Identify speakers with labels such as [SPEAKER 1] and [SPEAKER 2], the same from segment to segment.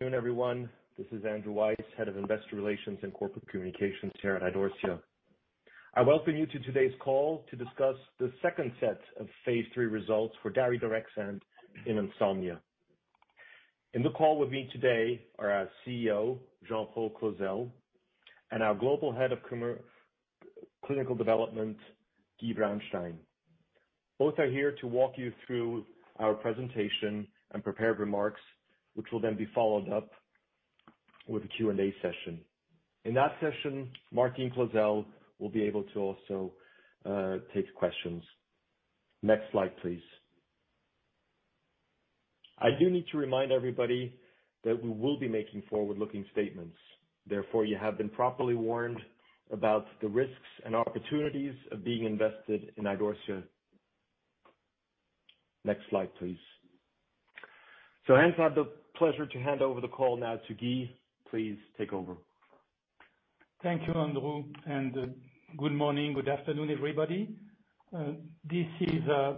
[SPEAKER 1] Good afternoon, everyone. This is Andrew Weiss, Head of Investor Relations and Corporate Communications here at Idorsia. I welcome you to today's call to discuss the second set of phase III results for daridorexant in insomnia. In the call with me today are our CEO, Jean-Paul Clozel, and our Global Head of Clinical Development, Guy Braunstein. Both are here to walk you through our presentation and prepared remarks, which will then be followed up with a Q&A session. In that session, Martine Clozel will be able to also take questions. Next slide, please. I do need to remind everybody that we will be making forward-looking statements. You have been properly warned about the risks and opportunities of being invested in Idorsia. Next slide, please. I have the pleasure to hand over the call now to Guy. Please take over.
[SPEAKER 2] Thank you, Andrew. Good morning. Good afternoon, everybody. This is a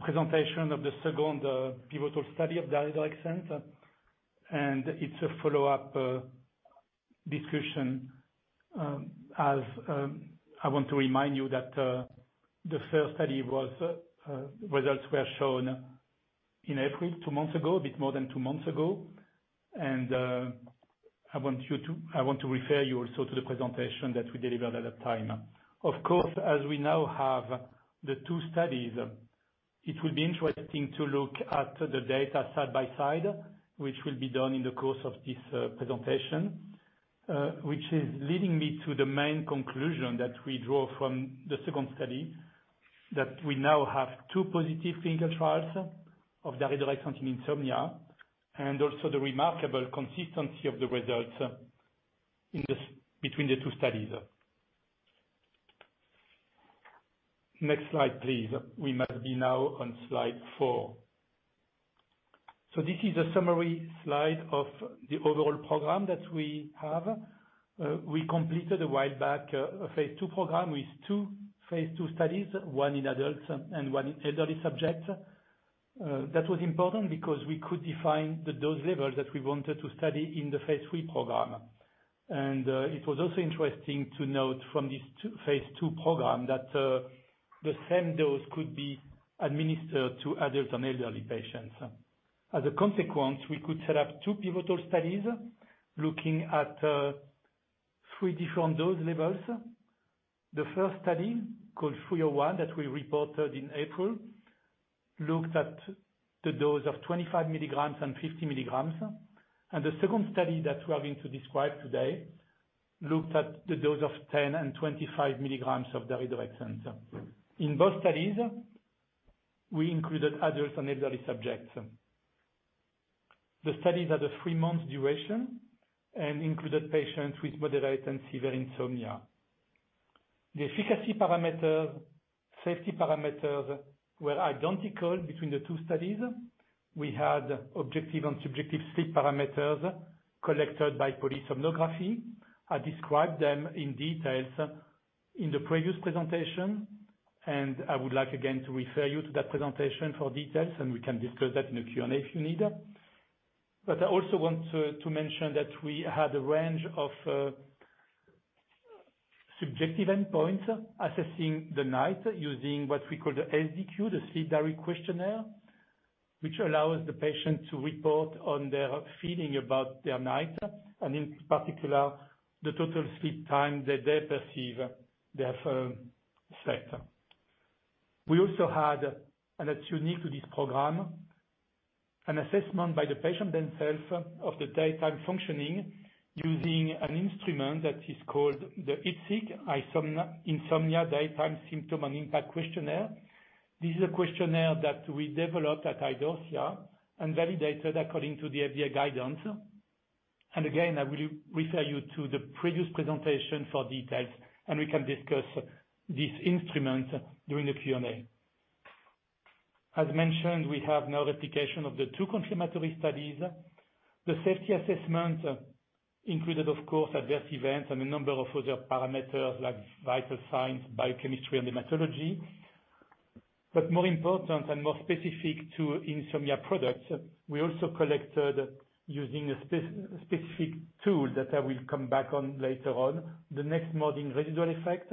[SPEAKER 2] presentation of the second pivotal study of daridorexant, and it's a follow-up discussion. I want to remind you that the first study results were shown in April, two months ago, a bit more than two months ago. I want to refer you also to the presentation that we delivered at that time. Of course, as we now have the two studies, it will be interesting to look at the data side by side, which will be done in the course of this presentation, which is leading me to the main conclusion that we draw from the second study, that we now have two positive single trials of daridorexant insomnia, and also the remarkable consistency of the results between the two studies. Next slide, please. We must be now on slide four. This is a summary slide of the overall program that we have. We completed a while back a phase II program with two phase II studies, one in adults and one in elderly subjects. That was important because we could define the dose level that we wanted to study in the phase III program. It was also interesting to note from this phase II program that the same dose could be administered to adult and elderly patients. As a consequence, we could set up two pivotal studies looking at three different dose levels. The first study, called 301, that we reported in April, looked at the dose of 25 milligrams and 50 milligrams. The second study that we are going to describe today looked at the dose of 10 and 25 milligrams of daridorexant. In both studies, we included adults and elderly subjects. The studies had a three-month duration and included patients with moderate and severe insomnia. The efficacy parameters, safety parameters were identical between the two studies. We had objective and subjective sleep parameters collected by polysomnography. I described them in detail in the previous presentation, and I would like again to refer you to that presentation for details, and we can discuss that in the Q&A if you need. I also want to mention that we had a range of subjective endpoints assessing the night using what we call the SDQ, the sleep diary questionnaire, which allows the patient to report on their feeling about their night, and in particular, the total sleep time that they perceive they have slept. We also had, and that's unique to this program, an assessment by the patient themself of the daytime functioning using an instrument that is called the IDSIQ, Insomnia Daytime Symptom and Impact Questionnaire. This is a questionnaire that we developed at Idorsia and validated according to the FDA guidance. Again, I will refer you to the previous presentation for details, and we can discuss this instrument during the Q&A. As mentioned, we have now replication of the two complementary studies. The safety assessment included, of course, adverse events and a number of other parameters like vital signs, biochemistry, and hematology. More important and more specific to insomnia products, we also collected using a specific tool that I will come back on later on, the next morning residual effect.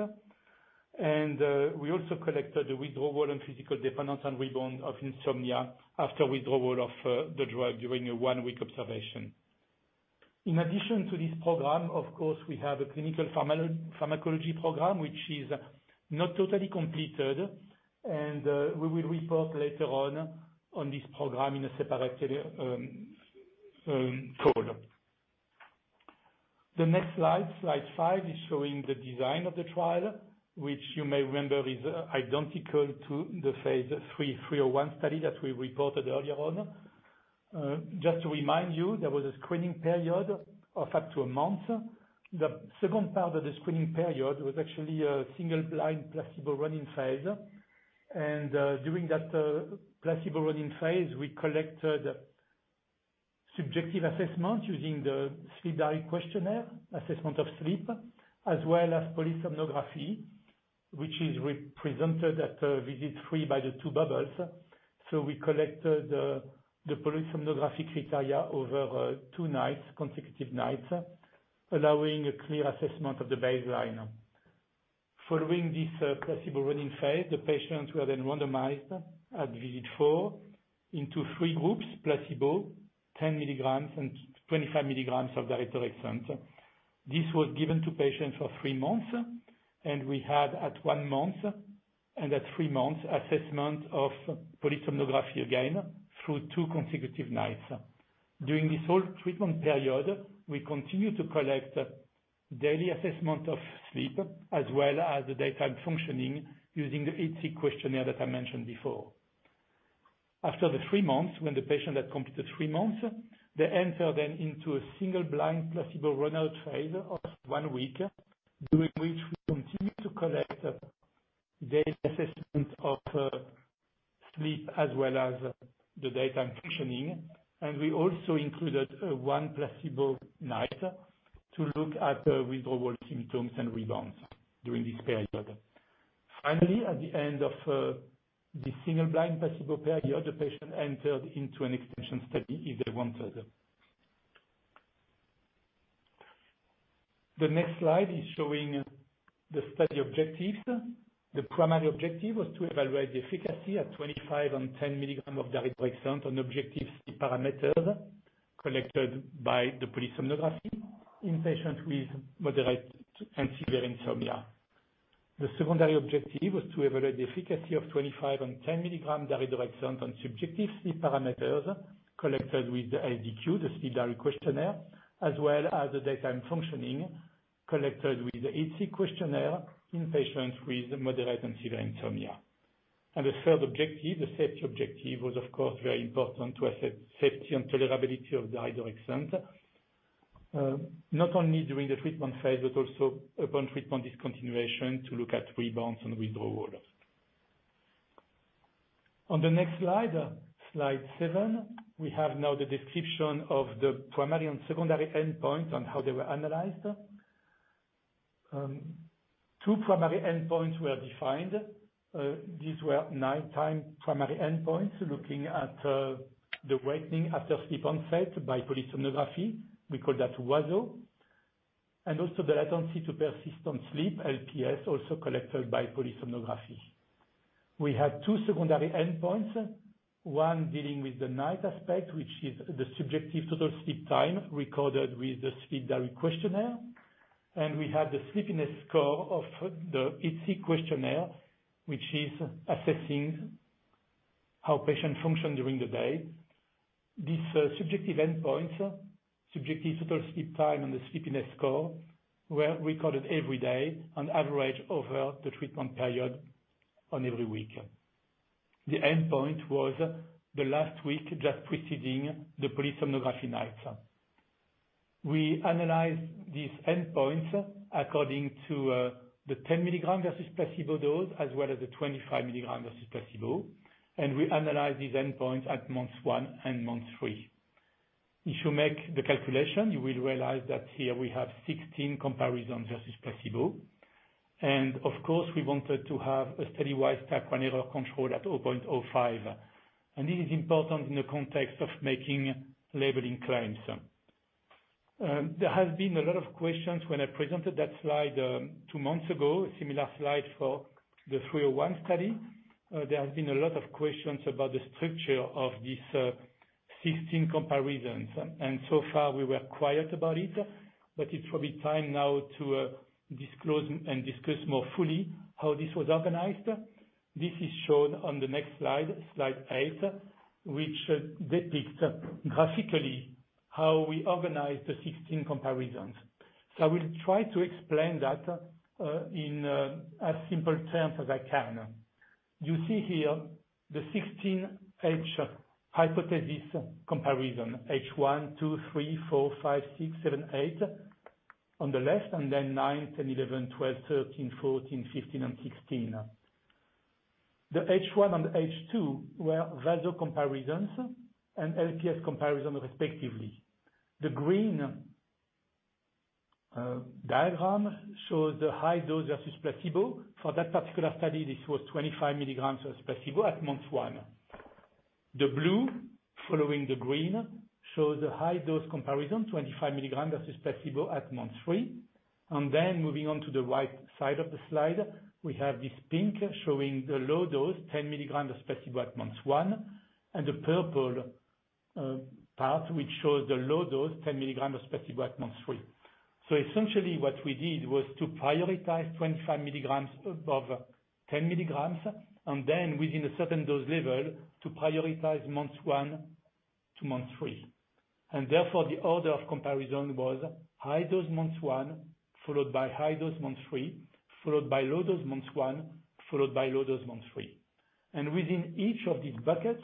[SPEAKER 2] We also collected the withdrawal and physical dependence and rebound of insomnia after withdrawal of the drug during a one-week observation. In addition to this program, of course, we have a clinical pharmacology program, which is not totally completed, and we will report later on on this program in a separate call. The next slide five, is showing the design of the trial, which you may remember is identical to the phase III 301 study that we reported earlier on. Just to remind you, there was a screening period of up to a month. The second part of the screening period was actually a single blind placebo running phase. During that placebo running phase, we collected subjective assessment using the sleep diary questionnaire, assessment of sleep, as well as polysomnography, which is represented at Visit three by the two bubbles. We collected the polysomnographic criteria over two consecutive nights, allowing a clear assessment of the baseline. Following this placebo running phase, the patients were randomized at Visit four into three groups, placebo, 10 milligrams, and 25 milligrams of daridorexant. This was given to patients for three months, and we had, at one month and at three months, assessment of polysomnography again through two consecutive nights. During this whole treatment period, we continued to collect daily assessment of sleep as well as the daytime functioning using the IDSIQ questionnaire that I mentioned before. After the three months, when the patient had completed three months, they enter then into a single blind placebo run-out phase of one week, during which we continue to collect daily assessments of sleep as well as the daytime functioning. We also included one placebo night to look at withdrawal symptoms and rebounds during this period. Finally, at the end of this single blind placebo period, the patient entered into an extension study if they wanted. The next slide is showing the study objectives. The primary objective was to evaluate the efficacy of 25 and 10 milligrams of daridorexant on objective sleep parameter collected by the polysomnography in patients with moderate and severe insomnia. The secondary objective was to evaluate the efficacy of 25 and 10 milligrams daridorexant on subjective sleep parameters collected with the IDSIQ, the sleep diary questionnaire, as well as the daytime functioning collected with the IDSIQ questionnaire in patients with moderate and severe insomnia. The third objective, the safety objective, was, of course, very important to assess safety and tolerability of daridorexant, not only during the treatment phase but also upon treatment discontinuation to look at rebounds and withdrawal. On the next slide seven, we have now the description of the primary and secondary endpoints and how they were analyzed. Two primary endpoints were defined. These were nighttime primary endpoints, looking at the awakening after sleep onset by polysomnography. We call that WASO. Also the latency to persistent sleep, LPS, also collected by polysomnography. We had two secondary endpoints, one dealing with the night aspect, which is the subjective total sleep time recorded with the sleep diary questionnaire. We had the sleepiness score of the IDSIQ questionnaire, which is assessing how patient function during the day. These subjective endpoints, subjective total sleep time, and the sleepiness score, were recorded every day on average over the treatment period on every week. The endpoint was the last week just preceding the polysomnography nights. We analyzed these endpoints according to the 10 milligram versus placebo dose, as well as the 25 milligram versus placebo, and we analyzed these endpoints at month one and month three. If you make the calculation, you will realize that here we have 16 comparisons versus placebo. Of course, we wanted to have a study-wide type 1 error control at 0.05. This is important in the context of making labeling claims. There have been a lot of questions when I presented that slide two months ago, a similar slide for the 301 study. There have been a lot of questions about the structure of these 16 comparisons. So far, we were quiet about it. It's probably time now to disclose and discuss more fully how this was organized. This is shown on the next slide eight, which depicts graphically how we organized the 16 comparisons. I will try to explain that in as simple terms as I can. You see here the 16 H hypothesis comparison, H 1, 2, 3, 4, 5, 6, 7, 8 on the left, and then 9, 10, 11, 12, 13, 14, 15, and 16. The H 1 and H 2 were WASO comparisons and LPS comparisons, respectively. The green diagram shows the high dose versus placebo. For that particular study, this was 25 milligrams versus placebo at month one. The blue following the green shows the high dose comparison, 25 milligram versus placebo at month three. Moving on to the right side of the slide, we have this pink showing the low dose, 10 milligram versus placebo at month one, and the purple part which shows the low dose, 10 milligram versus placebo at month three. Essentially, what we did was to prioritize 25 milligrams above 10 milligrams, and then within a certain dose level, to prioritize month one to month three. Therefore, the order of comparison was high dose month one, followed by high dose month three, followed by low dose month one, followed by low dose month three. Within each of these buckets,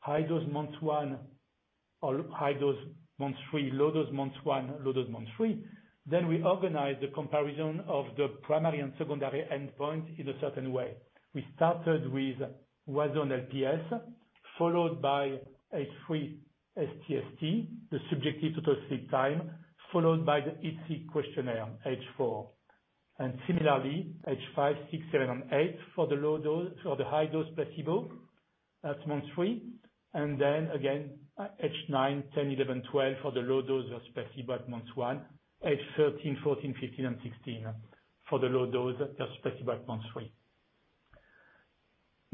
[SPEAKER 2] high dose month 1 or high dose month 3, low dose month 1, low dose month 3, then we organize the comparison of the primary and secondary endpoint in a certain way. We started with WASO and LPS. Followed by H3, sTST, the subjective total sleep time, followed by the, H4. Similarly, H5, 6, 7, and 8 for the high-dose placebo at month 3. Then again, H9, 10, 11, 12 for the low dose of placebo at month 1. H13, 14, 15, and 16 for the low dose of placebo at month 3.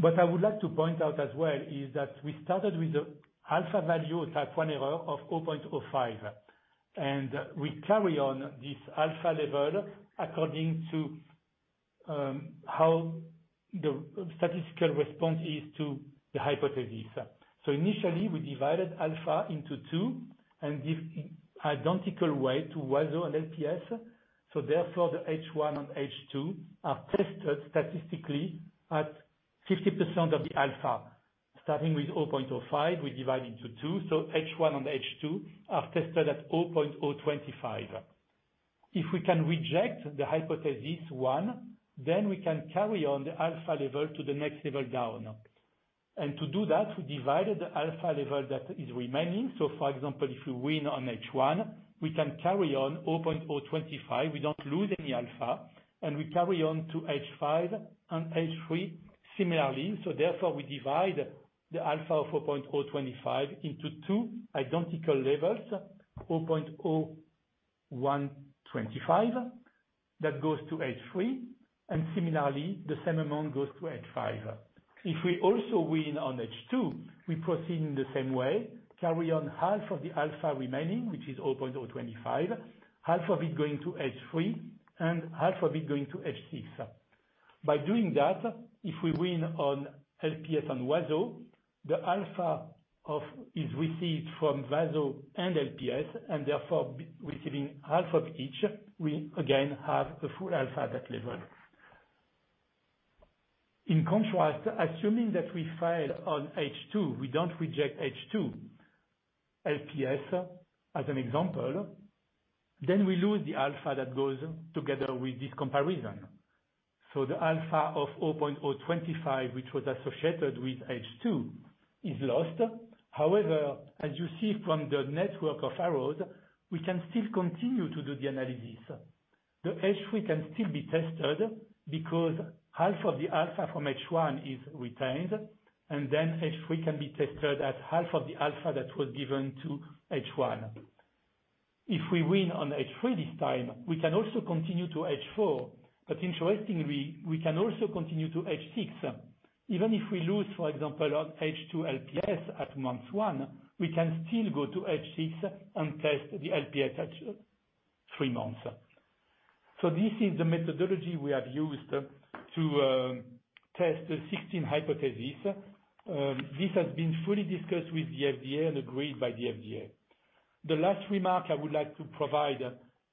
[SPEAKER 2] What I would like to point out as well is that we started with the alpha value, type 1 error of 0.05. We carry on this alpha level according to how the statistical response is to the hypothesis. Initially, we divided alpha into two in identical way to WASO and LPS. Therefore, the H1 and H2 are tested statistically at 50% of the alpha. Starting with 0.05, we divide into two, so H1 and H2 are tested at 0.025. If we can reject the hypothesis 1, then we can carry on the alpha level to the next level down. To do that, we divided the alpha level that is remaining. For example, if you win on H1, we can carry on 0.025. We don't lose any alpha, and we carry on to H5 and H3 similarly. Therefore, we divide the alpha of 0.025 into two identical levels, 0.0125 that goes to H3, and similarly, the same amount goes to H5. If we also win on H2, we proceed in the same way, carry on half of the alpha remaining, which is 0.025, half of it going to H3, and half of it going to H6. By doing that, if we win on LPS and WASO, the alpha is received from WASO and LPS, and therefore receiving half of each, we again have the full alpha at that level. In contrast, assuming that we fail on H2, we don't reject H2, LPS as an example, then we lose the alpha that goes together with this comparison. The alpha of 0.025, which was associated with H2, is lost. However, as you see from the network of arrows, we can still continue to do the analysis. The H3 can still be tested because half of the alpha from H1 is retained, then H3 can be tested at half of the alpha that was given to H1. If we win on H3 this time, we can also continue to H4, but interestingly, we can also continue to H6. Even if we lose, for example, on H2 LPS at month one, we can still go to H6 and test the LPS at three months. This is the methodology we have used to test the 16 hypothesis. This has been fully discussed with the FDA and agreed by the FDA. The last remark I would like to provide,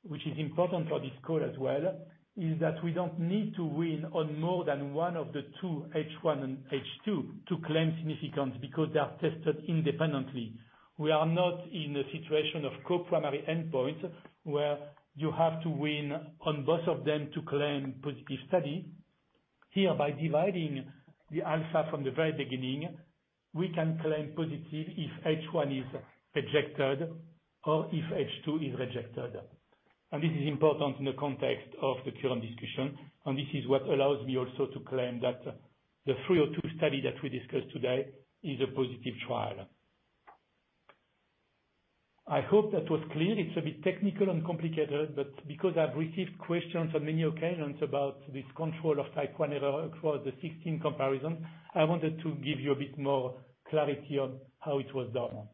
[SPEAKER 2] which is important for this call as well, is that we don't need to win on more than one of the two, H1 and H2, to claim significance because they are tested independently. We are not in a situation of co-primary endpoint, where you have to win on both of them to claim positive study. By dividing the alpha from the very beginning, we can claim positive if H1 is rejected or if H2 is rejected. This is important in the context of the current discussion, this is what allows me also to claim that the 302 study that we discussed today is a positive trial. I hope that was clear. It's a bit technical and complicated, because I've received questions on many occasions about this control of type 1 error across the 16 comparisons, I wanted to give you a bit more clarity on how it was done.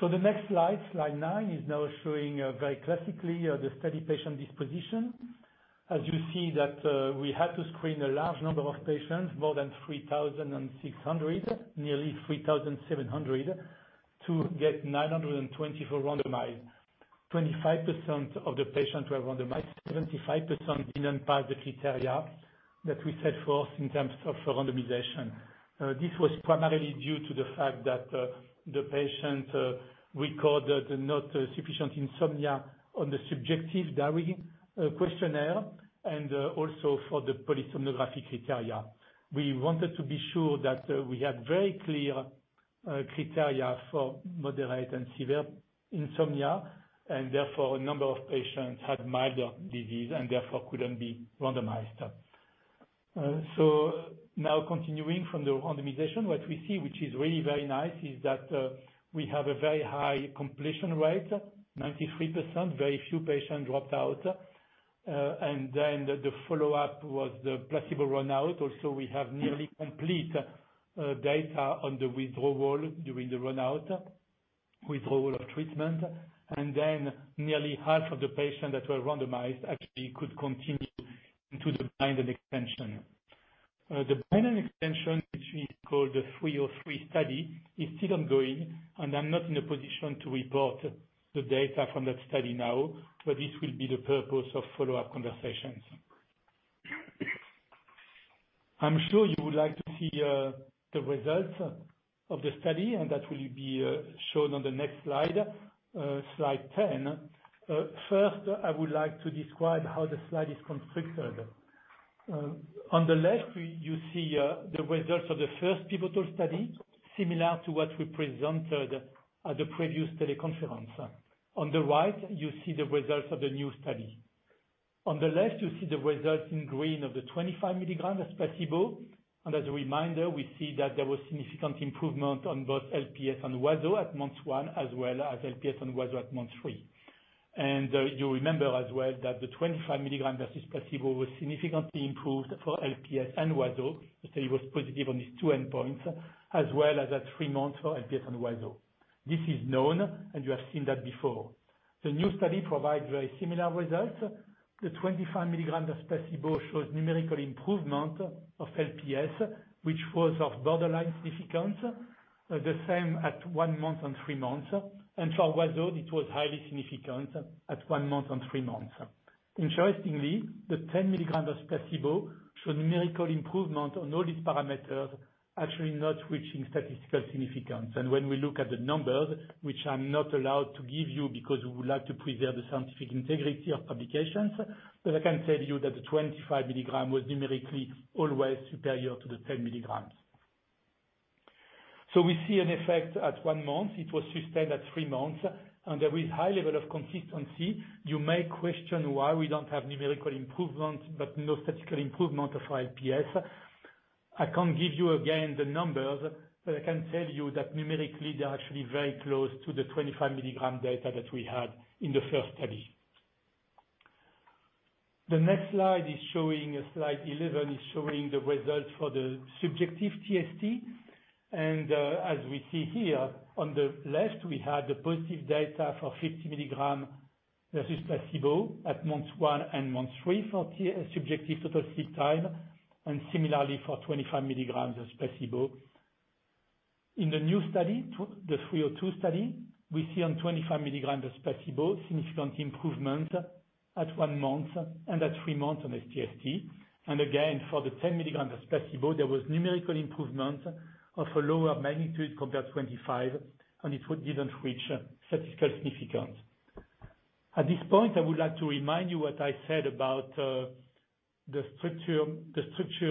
[SPEAKER 2] The next slide nine, is now showing very classically the study patient disposition. As you see that we had to screen a large number of patients, more than 3,600, nearly 3,700, to get 924 randomize. 25% of the patients were randomized. 75% didn't pass the criteria that we set forth in terms of randomization. This was primarily due to the fact that the patient recorded not sufficient insomnia on the subjective diary questionnaire and also for the polysomnography criteria. We wanted to be sure that we had very clear criteria for moderate and severe insomnia, and therefore, a number of patients had milder disease and therefore couldn't be randomized. Now continuing from the randomization, what we see, which is really very nice, is that we have a very high completion rate, 93%. Very few patients dropped out. Then the follow-up was the placebo run-out. We have nearly complete data on the withdrawal during the run-out, withdrawal of treatment. Nearly half of the patients that were randomized actually could continue into the blinded extension. The blinded extension, which we call the 303 study, is still ongoing, and I'm not in a position to report the data from that study now. This will be the purpose of follow-up conversations. I'm sure you would like to see the results of the study, and that will be shown on the next slide 10. First, I would like to describe how the slide is constructed. On the left, you see the results of the first pivotal study, similar to what we presented at the previous teleconference. On the right, you see the results of the new study. On the left, you see the results in green of the 25 milligram as placebo, and as a reminder, we see that there was significant improvement on both LPS and WASO at month one, as well as LPS and WASO at month three. You remember as well that the 25 milligram versus placebo was significantly improved for LPS and WASO. The study was positive on these two endpoints, as well as at three months for LPS and WASO. This is known, and you have seen that before. The new study provides very similar results. The 25 milligram of placebo shows numerical improvement of LPS, which was of borderline significance. The same at one month and three months. For WASO, it was highly significant at one month and three months. Interestingly, the 10 milligram of placebo showed numerical improvement on all these parameters, actually not reaching statistical significance. When we look at the numbers, which I'm not allowed to give you because we would like to preserve the scientific integrity of publications, but I can tell you that the 25 milligram was numerically always superior to the 10 milligrams. We see an effect at one month. It was sustained at three months, and there is high level of consistency. You may question why we don't have numerical improvement, but no statistical improvement of LPS. I can't give you, again, the numbers, but I can tell you that numerically, they are actually very close to the 25-milligram data that we had in the first study. The next slide 11, is showing the results for the subjective TST. As we see here, on the left, we had the positive data for 50 mg versus placebo at month one and month three for subjective total sleep time, and similarly for 25 mg of placebo. In the new study, the 302 study, we see on 25 mg versus placebo, significant improvement at one month and at three months on sTST. Again, for the 10 mg versus placebo, there was numerical improvement of a lower magnitude compared 25, and it didn't reach statistical significance. At this point, I would like to remind you what I said about the structure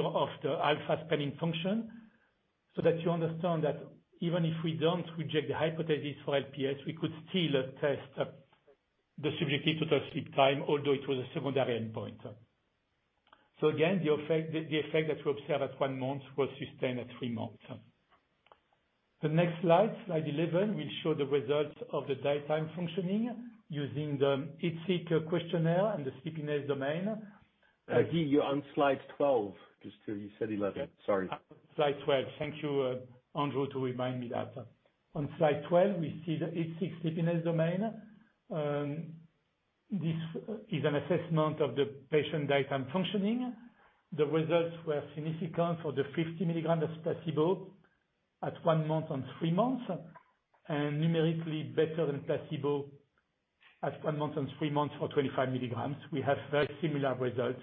[SPEAKER 2] of the alpha spending function, so that you understand that even if we don't reject the hypothesis for LPS, we could still test the subjective total sleep time, although it was a secondary endpoint. Again, the effect that we observed at one month was sustained at three months. The next slide 11, will show the results of the daytime functioning using the ESS questionnaire and the sleepiness domain.
[SPEAKER 1] Guy, you're on slide 12. You said 11. Sorry.
[SPEAKER 2] Slide 12. Thank you, Andrew, to remind me that. On slide 12, we see the ESS sleepiness domain. This is an assessment of the patient daytime functioning. The results were significant for the 50 milligram of placebo at one month and three months, and numerically better than placebo at one month and three months for 25 milligrams. We have very similar results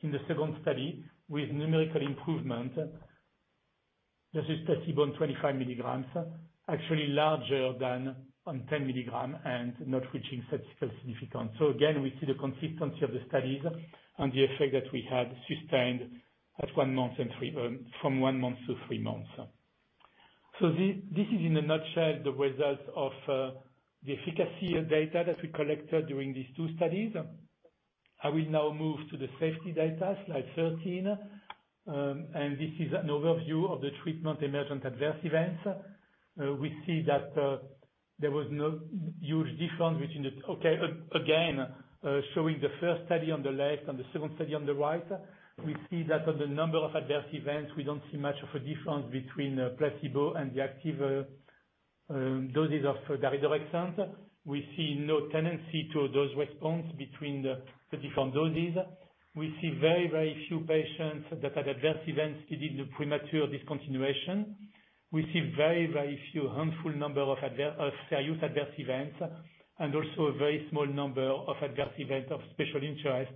[SPEAKER 2] in the second study with numerical improvement versus placebo in 25 milligrams, actually larger than on 10 milligram and not reaching statistical significance. Again, we see the consistency of the studies and the effect that we had sustained from one month to three months. This is in a nutshell, the results of the efficacy data that we collected during these two studies. I will now move to the safety data, slide 13. This is an overview of the treatment emergent adverse events. We see that there was no huge difference between the. Again, showing the first study on the left and the second study on the right. We see that on the number of adverse events, we don't see much of a difference between placebo and the active doses of daridorexant. We see no tendency to dose response between the different doses. We see very few patients that had adverse events leading to premature discontinuation. We see very few, a handful number of serious adverse events, and also a very small number of adverse events of special interest,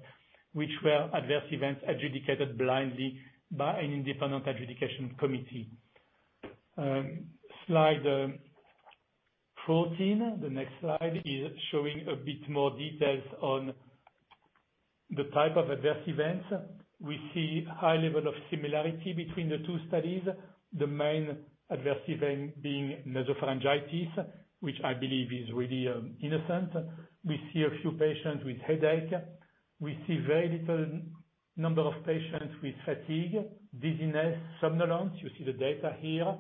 [SPEAKER 2] which were adverse events adjudicated blindly by an independent adjudication committee. Slide 14, the next slide, is showing a bit more details on the type of adverse events. We see a high level of similarity between the two studies, the main adverse event being nasopharyngitis, which I believe is really innocent. We see a few patients with headache. We see very little number of patients with fatigue, dizziness, somnolence. You see the data here.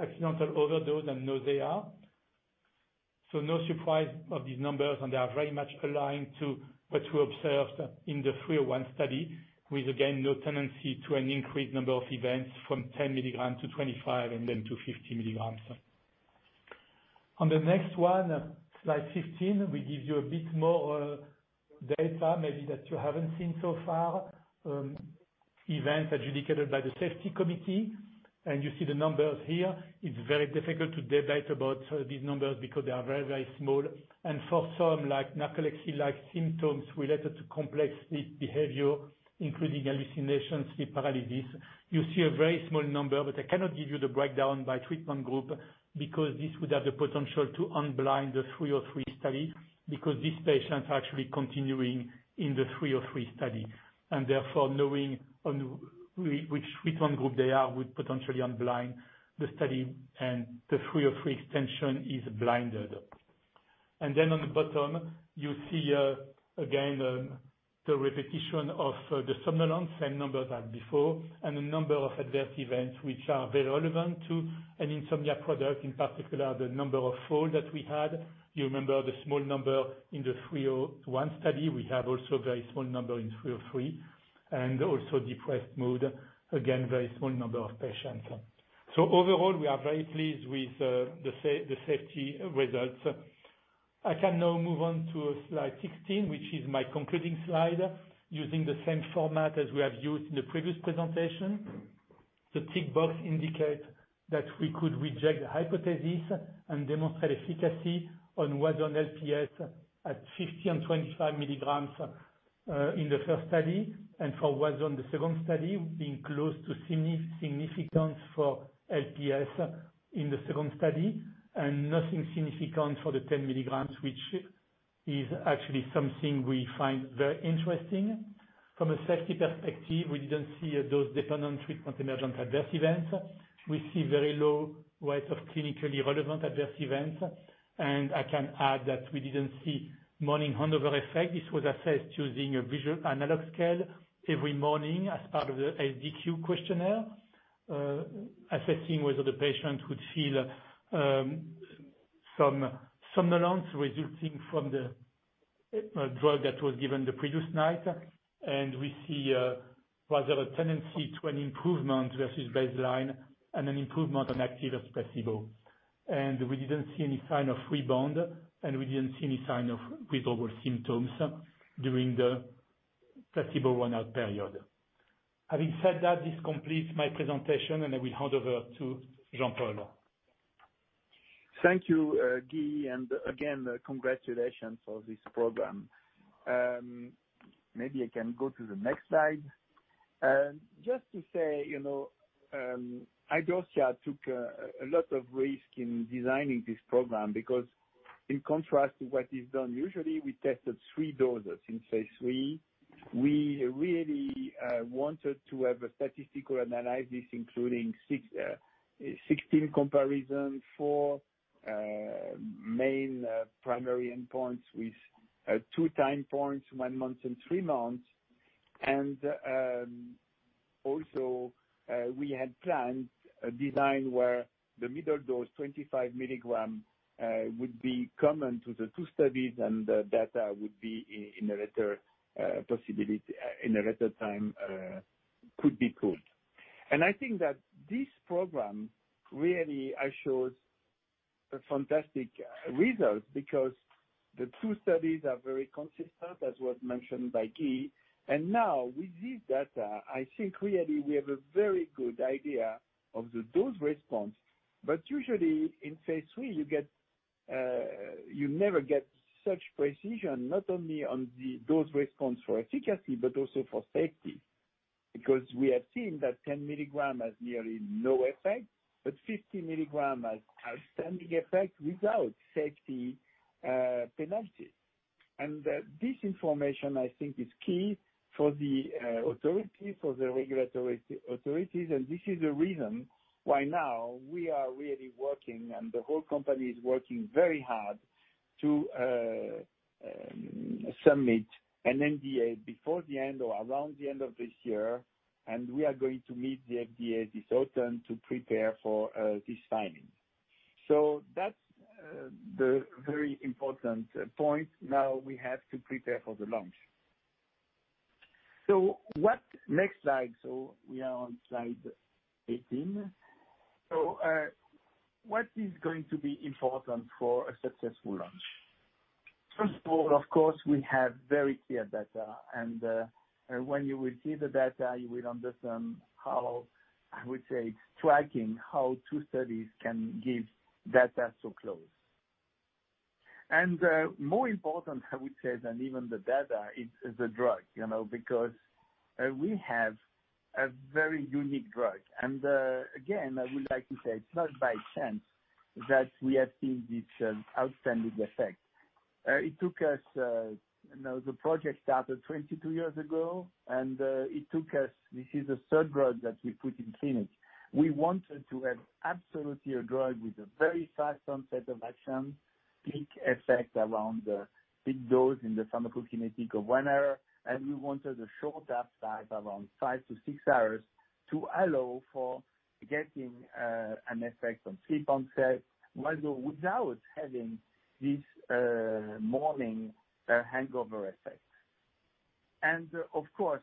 [SPEAKER 2] Accidental overdose and nausea. No surprise of these numbers, and they are very much aligned to what we observed in the 301 study, with again, no tendency to an increased number of events from 10 milligrams to 25, and then to 50 milligrams. On the next one, slide 15, we give you a bit more data maybe that you haven't seen so far. Events adjudicated by the safety committee, and you see the numbers here. It's very difficult to debate about these numbers because they are very small. For some narcolepsy-like symptoms related to complex sleep behavior, including hallucinations, sleep paralysis, you see a very small number, but I cannot give you the breakdown by treatment group because this would have the potential to unblind the 303 study, because these patients are actually continuing in the 303 study. Therefore, knowing on which treatment group they are would potentially unblind the study, and the 303 extension is blinded. On the bottom, you see again, the repetition of the somnolence, same number as before, and the number of adverse events, which are very relevant to an insomnia product, in particular, the number of falls that we had. You remember the small number in the 301 study. We have also a very small number in 303. Also depressed mood, again, very small number of patients. Overall, we are very pleased with the safety results. I can now move on to slide 16, which is my concluding slide, using the same format as we have used in the previous presentation. The tick box indicates that we could reject the hypothesis and demonstrate efficacy on WASO on LPS at 50 and 25 milligrams in the first study, and for WASO on the second study, being close to significance for LPS in the second study, and nothing significant for the 10 milligrams, which is actually something we find very interesting. From a safety perspective, we didn't see a dose-dependent treatment-emergent adverse event. We see very low rates of clinically relevant adverse events. I can add that we didn't see morning hangover effect. This was assessed using a visual analog scale every morning as part of the IDSIQ questionnaire, assessing whether the patient would feel some somnolence resulting from the drug that was given the previous night. We see rather a tendency to an improvement versus baseline and an improvement on active as placebo. We didn't see any sign of rebound, and we didn't see any sign of withdrawal symptoms during the placebo run-out period. Having said that, this completes my presentation. I will hand over to Jean-Paul.
[SPEAKER 3] Thank you, Guy, again, congratulations for this program. Maybe I can go to the next slide. Just to say, Idorsia took a lot of risk in designing this program because, in contrast to what is done usually, we tested three doses in phase III. We really wanted to have a statistical analysis including 16 comparisons, four main primary endpoints with two time points, one month and three months. Also, we had planned a design where the middle dose, 25 milligrams, would be common to the two studies, and the data would be in a later time could be pooled. I think that this program really shows a fantastic result because the two studies are very consistent, as was mentioned by Guy. Now with this data, I think really we have a very good idea of the dose response. Usually, in phase III, you never get such precision, not only on the dose response for efficacy, but also for safety. We have seen that 10 milligrams has nearly no effect, but 50 milligrams has outstanding effect without safety penalties. This information, I think, is key for the authority, for the regulatory authorities. This is the reason why now we are really working, and the whole company is working very hard to submit an NDA before the end or around the end of this year. We are going to meet the FDA this autumn to prepare for this timing. That's the very important point. Now we have to prepare for the launch. What next slide. We are on slide 18. What is going to be important for a successful launch? First of all, of course, we have very clear data. When you will see the data, you will understand how, I would say, striking how two studies can give data so close. More important, I would say, than even the data is the drug. Because we have a very unique drug. Again, I would like to say it's not by chance that we have seen this outstanding effect. The project started 22 years ago, and it took us, this is the third drug that we put in clinic. We wanted to have absolutely a drug with a very fast onset of action, peak effect around the peak dose in the pharmacokinetic of one hour, and we wanted a short half-life around five to six hours to allow for getting an effect on sleep onset, while without having this morning hangover effect. Of course,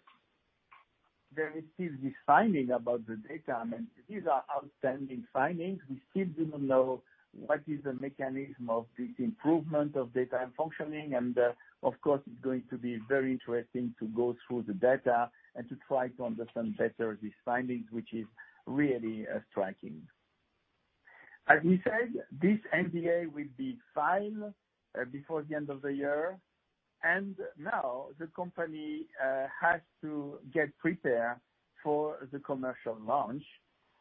[SPEAKER 3] there is still this finding about the data. These are outstanding findings. We still do not know what is the mechanism of this improvement of daytime functioning. Of course, it's going to be very interesting to go through the data and to try to understand better these findings, which is really striking. As we said, this NDA will be filed before the end of the year. Now the company has to get prepared for the commercial launch.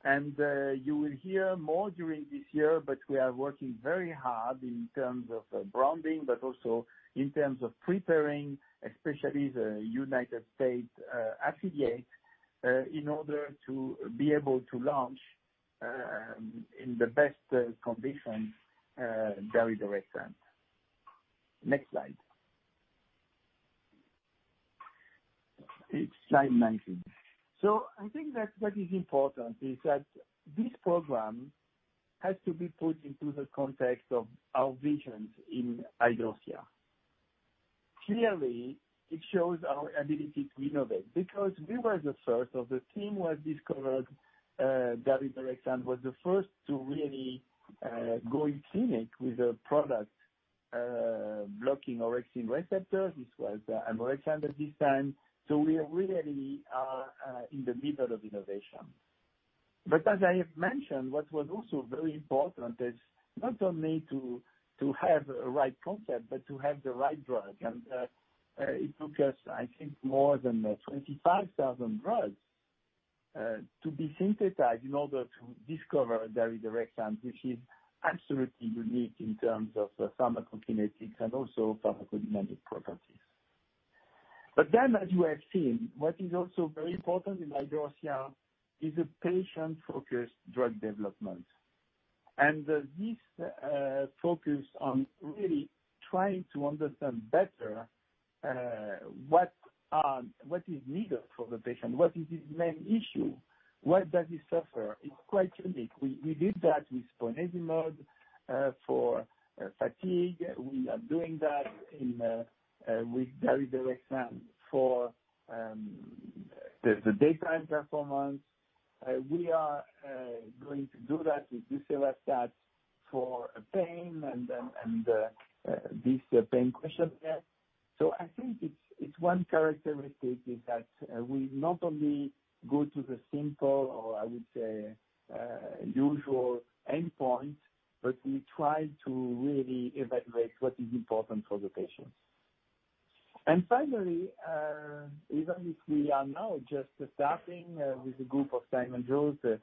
[SPEAKER 3] You will hear more during this year, but we are working very hard in terms of branding, but also in terms of preparing, especially the United States affiliates, in order to be able to launch in the best conditions daridorexant. Next slide. It's slide 19. I think that what is important is that this program has to be put into the context of our visions in Idorsia. It shows our ability to innovate because we were the first of the team who has discovered daridorexant, was the first to really go in clinic with a product blocking orexin receptors. This was almorexant at this time. We really are in the middle of innovation. As I have mentioned, what was also very important is not only to have the right concept but to have the right drug. It took us, I think, more than 25,000 drugs to be synthesized in order to discover daridorexant, which is absolutely unique in terms of pharmacokinetics and also pharmacodynamic properties. As you have seen, what is also very important in Idorsia is a patient-focused drug development. This focus on really trying to understand better what is needed for the patient, what is his main issue, what does he suffer, is quite unique. We did that with ponesimod for fatigue. We are doing that with daridorexant for the daytime performance. We are going to do that with decelevstat for pain and this pain questionnaire. I think it's one characteristic is that we not only go to the simple, or I would say, usual endpoint, but we try to really evaluate what is important for the patient. Finally, even if we are now just starting with a group of Simon Jones, this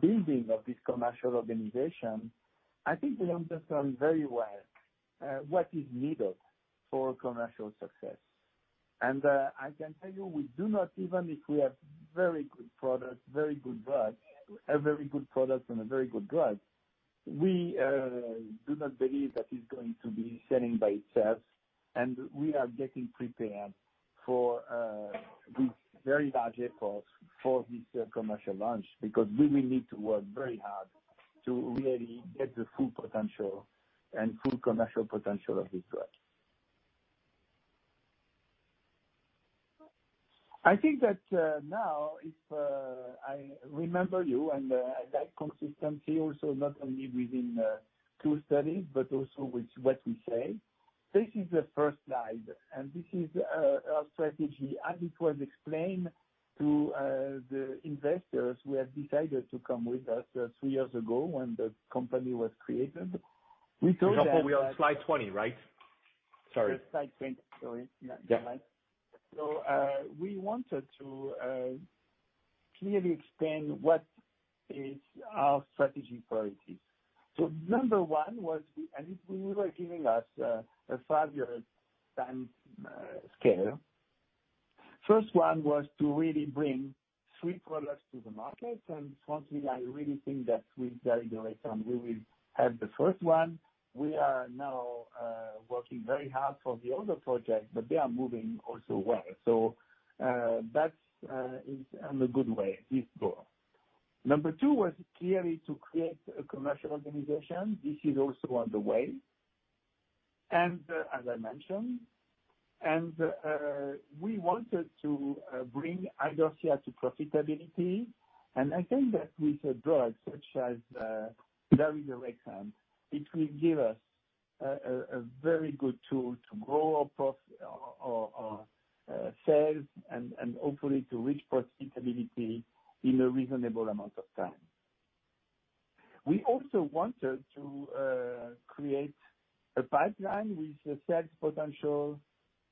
[SPEAKER 3] building of this commercial organization, I think they understand very well what is needed for commercial success. I can tell you, even if we have a very good product and a very good drug, we do not believe that it's going to be selling by itself. We are getting prepared for this very large effort for this commercial launch because we will need to work very hard to really get the full potential and full commercial potential of this drug. I think that now if I remember you, and I like consistency also not only within two studies but also with what we say. This is the first slide, and this is our strategy as it was explained to the investors who have decided to come with us three years ago when the company was created.
[SPEAKER 1] Jean-Paul, we are on slide 20, right? Sorry.
[SPEAKER 3] Slide 20. Sorry.
[SPEAKER 1] Yeah.
[SPEAKER 3] Never mind. We wanted to clearly explain what is our strategy priorities. Number one was, and we were giving us a five-year time scale. First one was to really bring three products to the market. Frankly, I really think that with daridorexant, we will have the first one. We are now working very hard for the other projects, but they are moving also well. That is on a good way, this goal. Number two was clearly to create a commercial organization. This is also on the way. As I mentioned. We wanted to bring Idorsia to profitability. I think that with a drug such as daridorexant, it will give us a very good tool to grow our sales and hopefully to reach profitability in a reasonable amount of time. We also wanted to create a pipeline with a sales potential,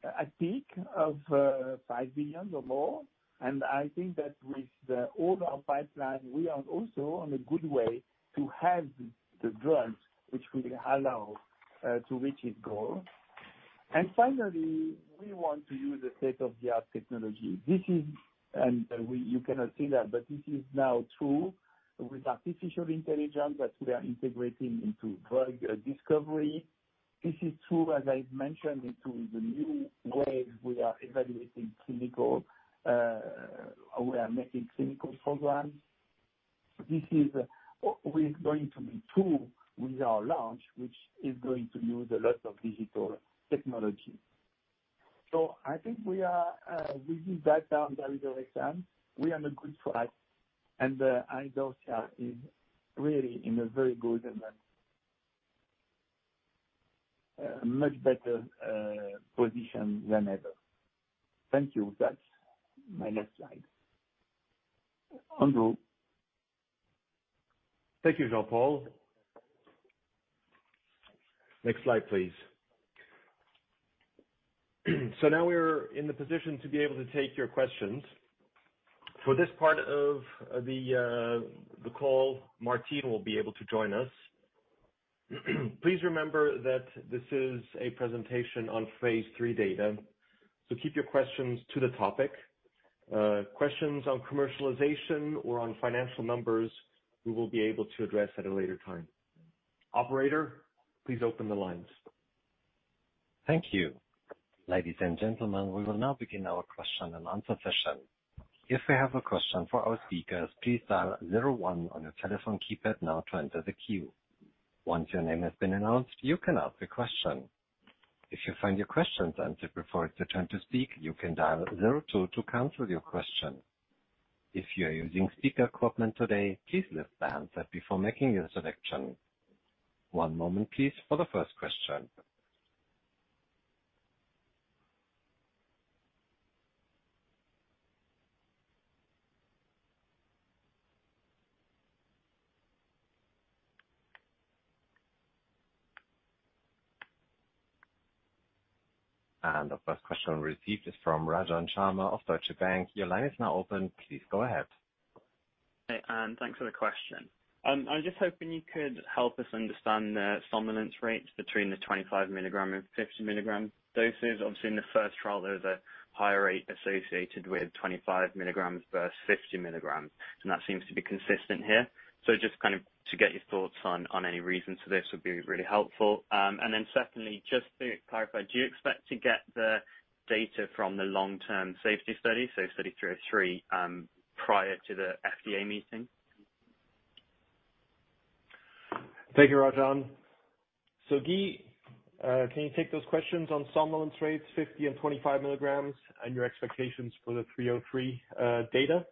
[SPEAKER 3] a peak of 5 billion or more. I think that with all our pipeline, we are also on a good way to have the drugs which will allow to reach this goal. Finally, we want to use a state-of-the-art technology. You cannot see that, but this is now true with artificial intelligence that we are integrating into drug discovery. This is true, as I've mentioned, into the new way we are evaluating clinical, how we are making clinical programs. This is what we're going to improve with our launch, which is going to use a lot of digital technology. I think we are moving back on the right direction. We are on a good track, and Idorsia is really in a very good and much better position than ever. Thank you. That's my last slide.
[SPEAKER 1] Thank you, Jean-Paul. Next slide, please. Now we're in the position to be able to take your questions. For this part of the call, Martine will be able to join us. Please remember that this is a presentation on phase III data, keep your questions to the topic. Questions on commercialization or on financial numbers, we will be able to address at a later time. Operator, please open the lines.
[SPEAKER 4] Thank you. Ladies and gentlemen, we will now begin our question and answer session. If you have a question for our speakers, please dial zero one on your telephone keypad now to enter the queue. Once your name has been announced, you can ask a question. If you find your question has been answered before it's your turn to speak, you can dial zero two to cancel your question. If you are using speaker equipment today, please lift the handset before making your selection. One moment please for the first question. The first question received is from Rajan Sharma of Deutsche Bank. Your line is now open. Please go ahead.
[SPEAKER 5] Hey, thanks for the question. I'm just hoping you could help us understand the somnolence rates between the 25 milligram and 50 milligram doses. Obviously, in the first trial, there was a higher rate associated with 25 milligrams versus 50 milligrams, and that seems to be consistent here. Just kind of to get your thoughts on any reasons for this would be really helpful. Secondly, just to clarify, do you expect to get the data from the long-term safety study, so study three oh three, prior to the FDA meeting?
[SPEAKER 1] Thank you, Rajan. Guy, can you take those questions on somnolence rates, 50 and 25 milligrams, and your expectations for the 303 data?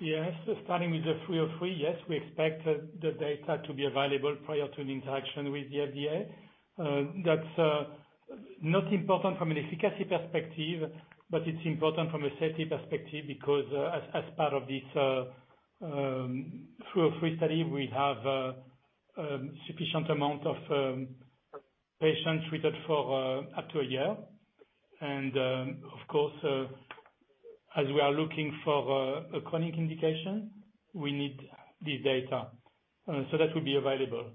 [SPEAKER 2] Yes. Starting with the 303. Yes, we expect the data to be available prior to the interaction with the FDA. That's not important from an efficacy perspective, but it's important from a safety perspective because as part of this 303 study, we have a sufficient amount of patients treated for up to a year. Of course, as we are looking for a chronic indication, we need this data. That will be available.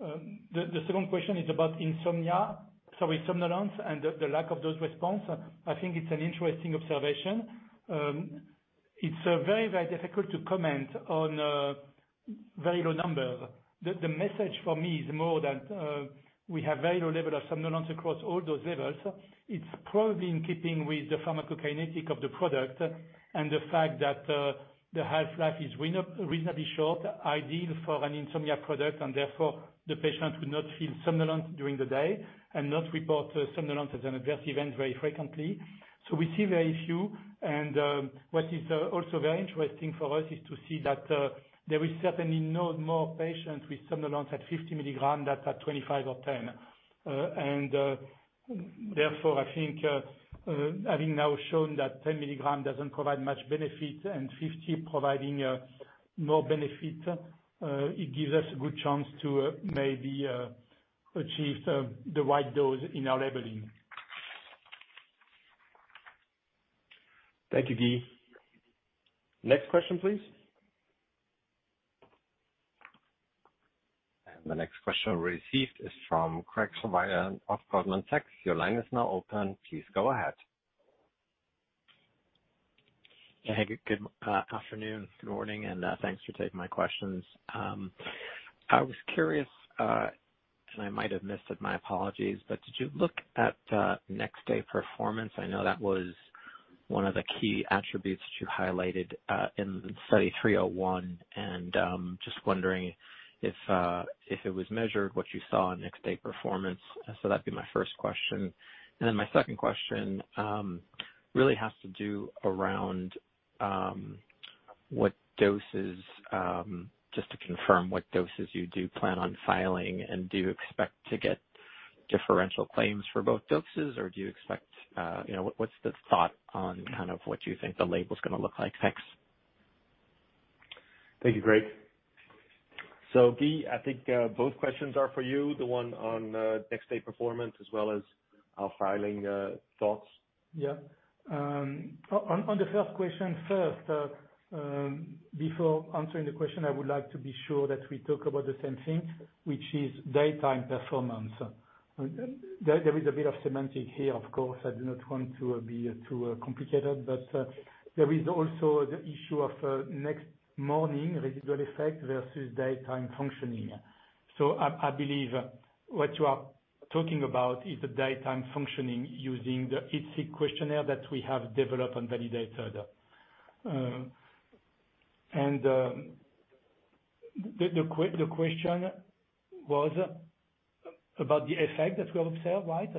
[SPEAKER 2] The second question is about insomnia, sorry, somnolence, and the lack of dose response. I think it's an interesting observation. It's very difficult to comment on very low numbers. The message for me is more that we have very low level of somnolence across all dose levels. It's probably in keeping with the pharmacokinetic of the product and the fact that the half-life is reasonably short, ideal for an insomnia product, and therefore the patient would not feel somnolence during the day and not report somnolence as an adverse event very frequently. We see very few, and what is also very interesting for us is to see that there is certainly no more patients with somnolence at 50 milligrams than at 25 or 10. Therefore, I think having now shown that 10 milligrams doesn't provide much benefit and 50 providing more benefit, it gives us a good chance to maybe achieve the right dose in our labeling.
[SPEAKER 1] Thank you, Guy. Next question, please.
[SPEAKER 4] The next question received is from Graig Suvannavejh of Goldman Sachs. Your line is now open. Please go ahead.
[SPEAKER 6] Hey. Good afternoon, good morning, and thanks for taking my questions. I was curious, and I might have missed it, my apologies, but did you look at next day performance? I know that was one of the key attributes that you highlighted, in study 301 and just wondering if it was measured, what you saw in next day performance. That'd be my first question. Then my second question really has to do around what doses, just to confirm what doses you do plan on filing and do you expect to get differential claims for both doses or What's the thought on kind of what you think the label's going to look like? Thanks.
[SPEAKER 1] Thank you, Graig. Guy, I think both questions are for you, the one on next day performance as well as our filing thoughts.
[SPEAKER 2] On the first question first. Before answering the question, I would like to be sure that we talk about the same thing, which is daytime performance. There is a bit of semantic here, of course. I do not want to be too complicated, but there is also the issue of next morning residual effect versus daytime functioning. I believe what you are talking about is the daytime functioning using the IDSIQ questionnaire that we have developed and validated. The question was about the effect that we observed, right?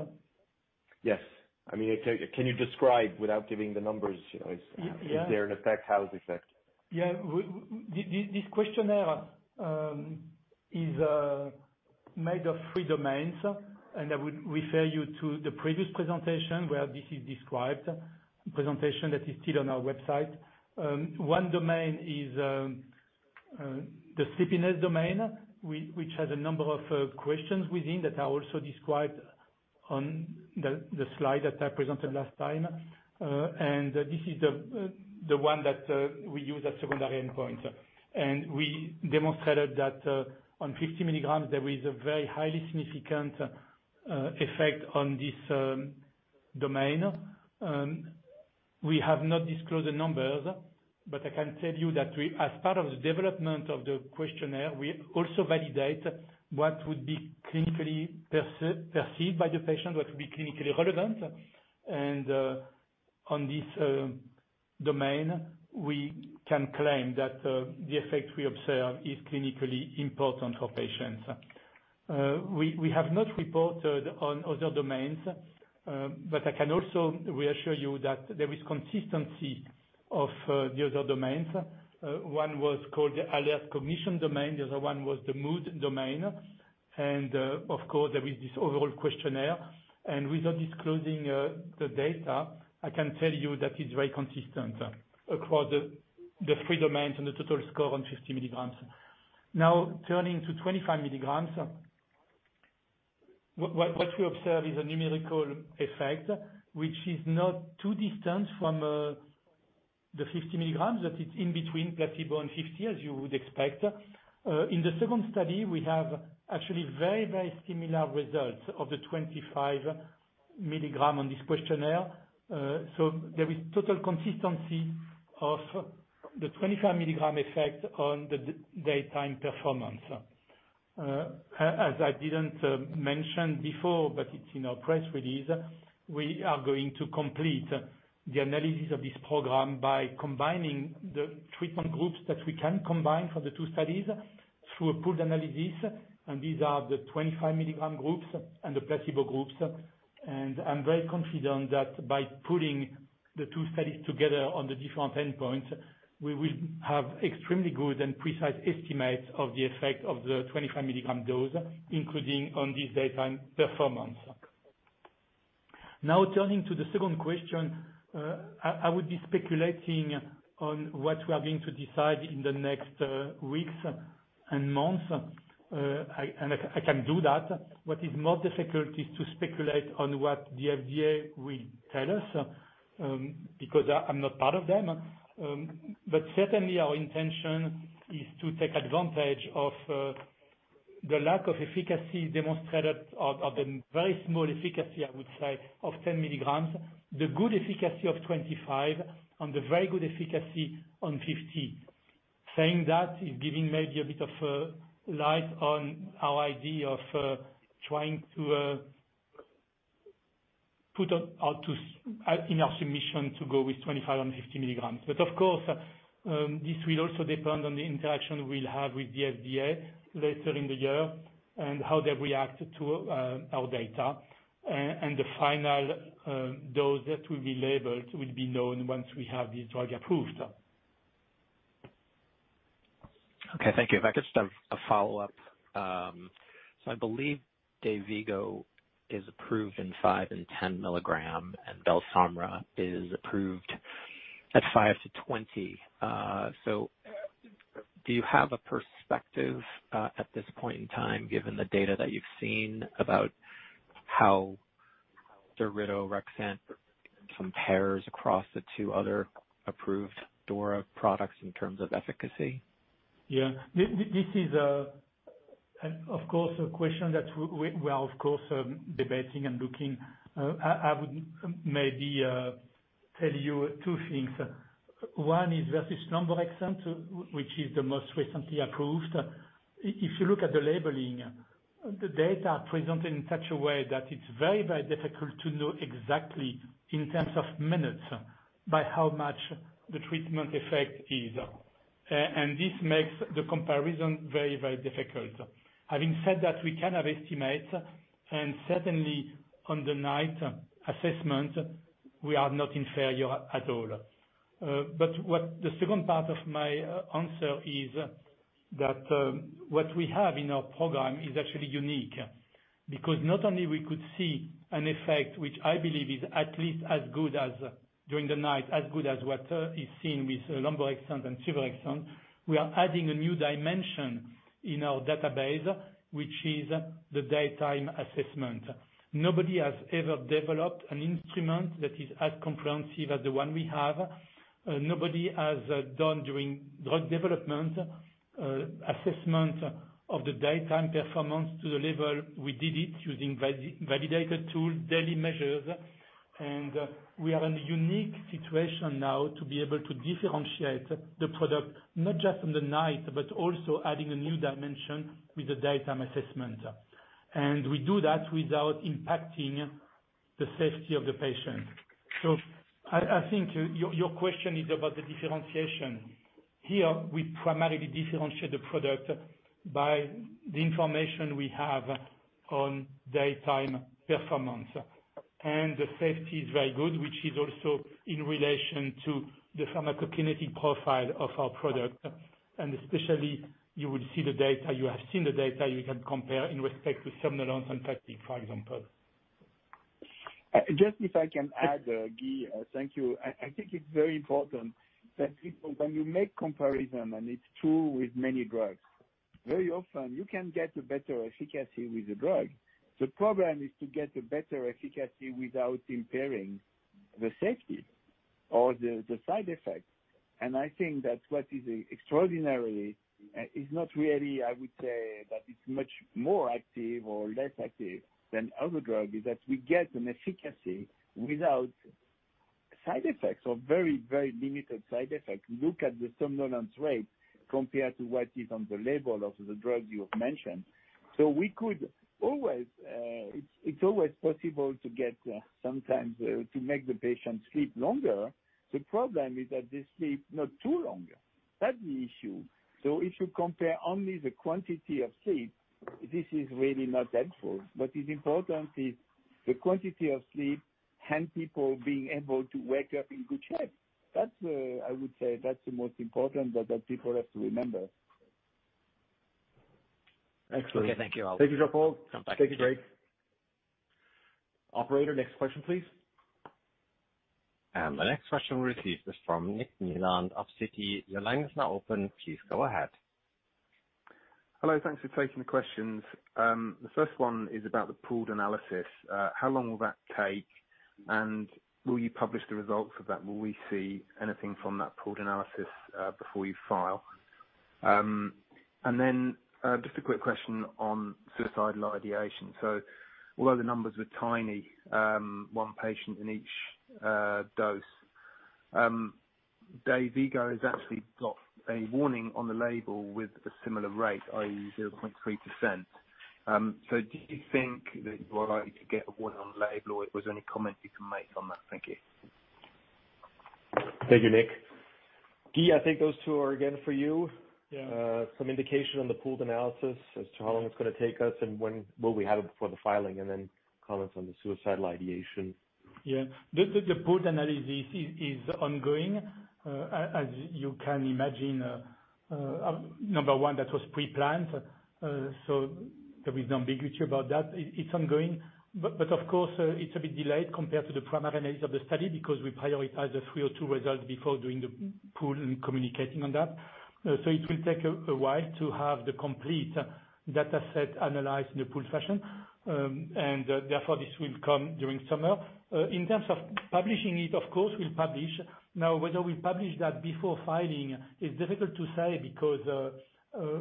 [SPEAKER 6] Yes. Can you describe without giving the numbers?
[SPEAKER 2] Yeah.
[SPEAKER 6] Is there an effect? How is the effect?
[SPEAKER 2] Yeah. This questionnaire is made of three domains. I would refer you to the previous presentation where this is described. Presentation that is still on our website. One domain is the sleepiness domain, which has a number of questions within that I also described on the slide that I presented last time. This is the one that we use as secondary endpoint. We demonstrated that on 50 milligrams, there is a very highly significant effect on this domain. We have not disclosed the numbers, but I can tell you that as part of the development of the questionnaire, we also validate what would be clinically perceived by the patient, what would be clinically relevant. On this domain, we can claim that the effect we observe is clinically important for patients. We have not reported on other domains, but I can also reassure you that there is consistency of the other domains. One was called the alert cognition domain. The other one was the mood domain. Of course, there is this overall questionnaire. Without disclosing the data, I can tell you that it's very consistent across the three domains and the total score on 50 milligrams. Now turning to 25 milligrams. What we observe is a numerical effect, which is not too distant from the 50 milligrams, that it's in between placebo and 50 as you would expect. In the second study, we have actually very similar results of the 25 milligram on this questionnaire. There is total consistency of the 25-milligram effect on the daytime performance. As I didn't mention before, but it's in our press release, we are going to complete the analysis of this program by combining the treatment groups that we can combine for the two studies through a pooled analysis, and these are the 25-milligram groups and the placebo groups. I'm very confident that by pooling the two studies together on the different endpoints, we will have extremely good and precise estimates of the effect of the 25-milligram dose, including on this daytime performance. Now turning to the second question. I would be speculating on what we are going to decide in the next weeks and months. I can do that. What is more difficult is to speculate on what the FDA will tell us, because I'm not part of them. Certainly, our intention is to take advantage of the lack of efficacy demonstrated of the very small efficacy, I would say, of 10 milligrams, the good efficacy of 25, and the very good efficacy on 50. Saying that is giving maybe a bit of a light on our idea of trying to put out in our submission to go with 25 and 50 milligrams. Of course, this will also depend on the interaction we'll have with the FDA later in the year and how they react to our data. The final dose that will be labeled will be known once we have this drug approved.
[SPEAKER 6] Okay. Thank you. If I could just have a follow-up. I believe Dayvigo is approved in 5 and 10 mg, and BELSOMRA is approved at 5 mg to 20 mg. Do you have a perspective at this point in time, given the data that you've seen about how daridorexant compares across the two other approved DORA products in terms of efficacy?
[SPEAKER 2] Yeah. This is of course a question that we are of course debating and looking. I would maybe tell you two things. One is versus suvorexant, which is the most recently approved. If you look at the labeling, the data are presented in such a way that it's very difficult to know exactly in terms of minutes by how much the treatment effect is. This makes the comparison very difficult. Having said that, we can have estimates, and certainly on the night assessment, we are not inferior at all. What the second part of my answer is that what we have in our program is actually unique. Because not only we could see an effect, which I believe is at least, during the night, as good as what is seen with suvorexant and lemborexant. We are adding a new dimension in our database, which is the daytime assessment. Nobody has ever developed an instrument that is as comprehensive as the one we have. Nobody has done during drug development, assessment of the daytime performance to the level we did it using validated tools, daily measures. We are in a unique situation now to be able to differentiate the product not just in the night, but also adding a new dimension with the daytime assessment. We do that without impacting the safety of the patient. I think your question is about the differentiation. Here, we primarily differentiate the product by the information we have on daytime performance. The safety is very good, which is also in relation to the pharmacokinetic profile of our product. Especially, you would see the data, you have seen the data, you can compare in respect to somnolence and fatigue, for example.
[SPEAKER 3] Just if I can add, Guy. Thank you. I think it's very important that people, when you make comparison, and it's true with many drugs, very often you can get a better efficacy with the drug. The problem is to get a better efficacy without impairing the safety or the side effects. I think that what is extraordinary is not really, I would say, that it's much more active or less active than other drug, is that we get an efficacy without side effects or very, very limited side effects. Look at the somnolence rate compared to what is on the label of the drugs you have mentioned. It's always possible to get sometimes to make the patient sleep longer. The problem is that they sleep not too longer. That's the issue. If you compare only the quantity of sleep, this is really not helpful. What is important is the quantity of sleep and people being able to wake up in good shape. I would say that is the most important that the people have to remember.
[SPEAKER 1] Excellent.
[SPEAKER 6] Okay, thank you all.
[SPEAKER 1] Thank you, Jean-Paul. Thank you, Graig. Operator, next question, please.
[SPEAKER 4] The next question we'll receive is from Nick Nieland of Citi. Your line is now open. Please go ahead.
[SPEAKER 7] Hello, thanks for taking the questions. The first one is about the pooled analysis. How long will that take, and will you publish the results of that? Will we see anything from that pooled analysis, before you file? Just a quick question on suicidal ideation. Although the numbers were tiny, one patient in each dose. Dayvigo has actually got a warning on the label with a similar rate, i.e., 0.3%. Do you think that you are likely to get a warning on label or if there's any comment you can make on that? Thank you.
[SPEAKER 1] Thank you, Nick. Guy, I think those two are again for you.
[SPEAKER 2] Yeah.
[SPEAKER 1] Some indication on the pooled analysis as to how long it is going to take us and when will we have it before the filing, and then comments on the suicidal ideation.
[SPEAKER 2] Yeah. The pooled analysis is ongoing. As you can imagine, number one, that was pre-planned, so there is no ambiguity about that. It's ongoing. Of course, it's a bit delayed compared to the primary analysis of the study because we prioritize the 302 results before doing the pooled and communicating on that. It will take a while to have the complete data set analyzed in a pooled fashion. Therefore, this will come during summer. In terms of publishing it, of course, we'll publish. Whether we publish that before filing is difficult to say because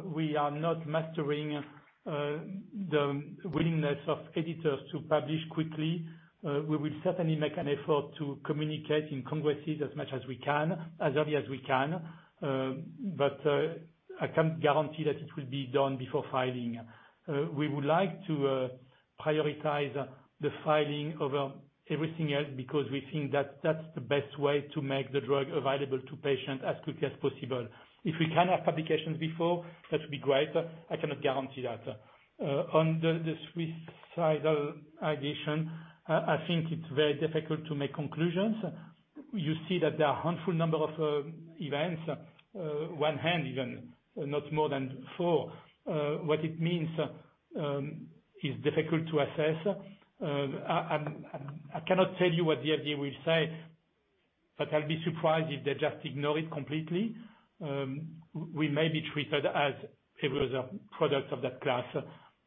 [SPEAKER 2] we are not mastering the willingness of editors to publish quickly. We will certainly make an effort to communicate in congresses as much as we can, as early as we can. I can't guarantee that it will be done before filing. We would like to prioritize the filing over everything else because we think that that's the best way to make the drug available to patients as quickly as possible. If we can have publications before, that would be great, but I cannot guarantee that. On the suicidal ideation, I think it's very difficult to make conclusions. You see that there are a handful number of events, one hand even, not more than four. What it means is difficult to assess. I cannot tell you what the FDA will say, but I'll be surprised if they just ignore it completely. We may be treated as every other product of that class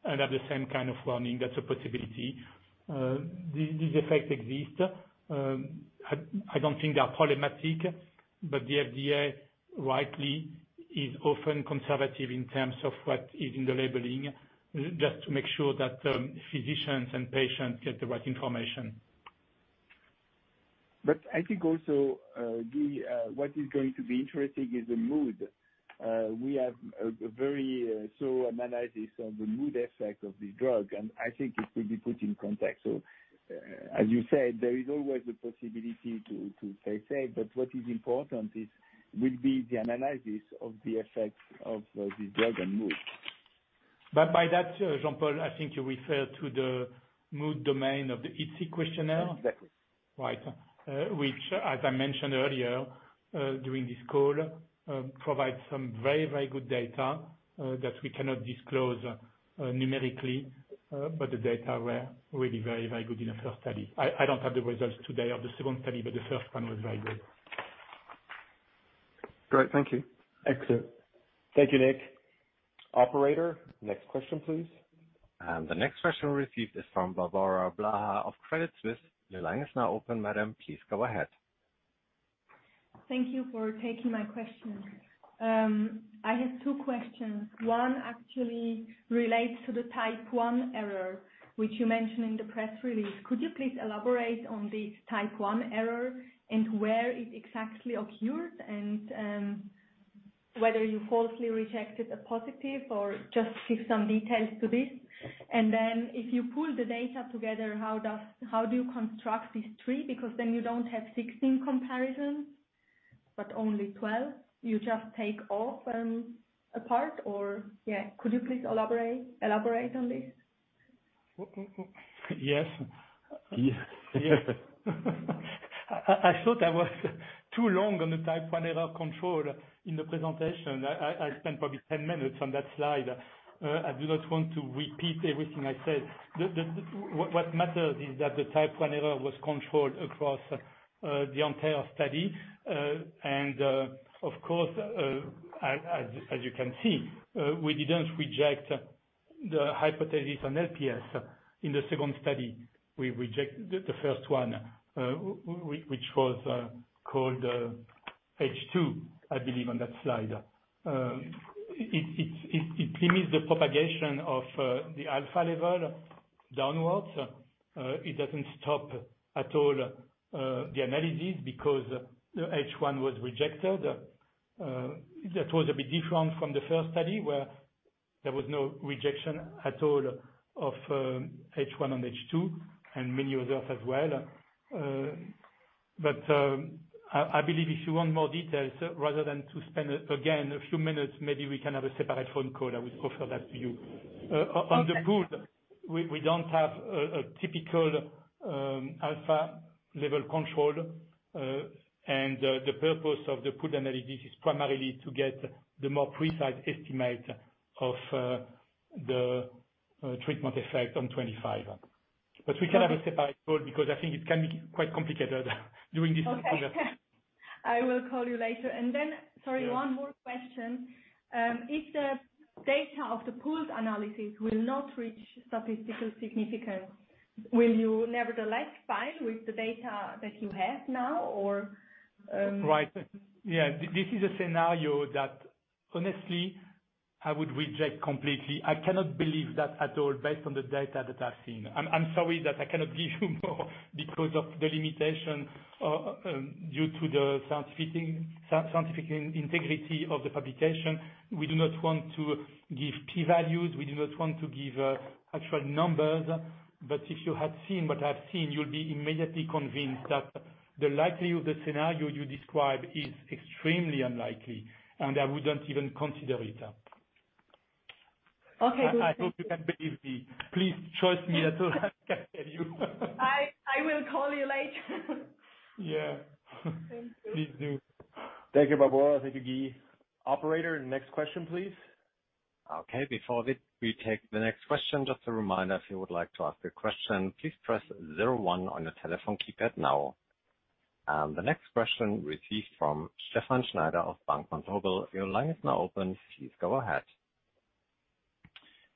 [SPEAKER 2] and have the same kind of warning. That's a possibility. These effects exist. I don't think they are problematic, but the FDA rightly is often conservative in terms of what is in the labeling, just to make sure that physicians and patients get the right information.
[SPEAKER 3] I think also, Guy, what is going to be interesting is the mood. We have a very thorough analysis of the mood effect of the drug, and I think it will be put in context. As you said, there is always the possibility to stay safe, but what is important will be the analysis of the effects of this drug on mood.
[SPEAKER 2] By that, Jean-Paul, I think you refer to the mood domain of the IDSIQ questionnaire.
[SPEAKER 3] Exactly.
[SPEAKER 2] Right. Which, as I mentioned earlier during this call, provides some very, very good data that we cannot disclose numerically, but the data were really very, very good in the first study. I don't have the results today of the second study, but the first one was very good.
[SPEAKER 7] Great. Thank you.
[SPEAKER 1] Excellent. Thank you, Nick. Operator, next question, please.
[SPEAKER 4] The next question received is from Barbara Blaha of Credit Suisse. Your line is now open, madam. Please go ahead.
[SPEAKER 8] Thank you for taking my question. I have two questions. One actually relates to the type 1 error, which you mentioned in the press release. Could you please elaborate on the type 1 error and where it exactly occurred? Whether you falsely rejected a positive or just give some details to this. If you pool the data together, how do you construct these three? You don't have 16 comparisons, but only 12. You just take off a part or Yeah. Could you please elaborate on this?
[SPEAKER 2] Yes. I thought I was too long on the type 1 error control in the presentation. I spent probably 10 minutes on that slide. I do not want to repeat everything I said. What matters is that the type 1 error was controlled across the entire study. Of course, as you can see, we didn't reject the hypothesis on LPS in the second study. We rejected the first one, which was called H2, I believe, on that slide. It limits the propagation of the alpha level downwards. It doesn't stop at all the analysis because H1 was rejected. That was a bit different from the first study where there was no rejection at all of H1 and H2, and many others as well. I believe if you want more details, rather than to spend, again, a few minutes, maybe we can have a separate phone call. I would offer that to you. On the pool, we don't have a typical alpha level control. The purpose of the pool analysis is primarily to get the more precise estimate of the treatment effect on 25. We can have a separate call because I think it can be quite complicated doing this.
[SPEAKER 8] Okay. I will call you later. Sorry, one more question. If the data of the pooled analysis will not reach statistical significance, will you nevertheless file with the data that you have now or
[SPEAKER 2] Right. Yeah. This is a scenario that honestly I would reject completely. I cannot believe that at all based on the data that I've seen. I'm sorry that I cannot give you more because of the limitation due to the scientific integrity of the publication. We do not want to give P values. We do not want to give actual numbers. If you had seen what I've seen, you'll be immediately convinced that the likelihood of the scenario you describe is extremely unlikely, and I wouldn't even consider it.
[SPEAKER 8] Okay. Good.
[SPEAKER 2] I hope you can believe me. Please trust me that I can tell you.
[SPEAKER 8] I will call you later.
[SPEAKER 2] Yeah.
[SPEAKER 8] Thank you.
[SPEAKER 2] Please do.
[SPEAKER 1] Thank you, Barbara. Thank you, Guy. Operator, next question, please.
[SPEAKER 4] Okay, before we take the next question, just a reminder, if you would like to ask your question, please press zero one on your telephone keypad now. The next question received from Stefan Schneider of Bank Vontobel. Your line is now open. Please go ahead.